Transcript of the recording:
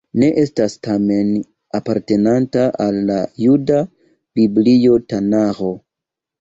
Ne estas, tamen, apartenanta al la juda Biblio Tanaĥo.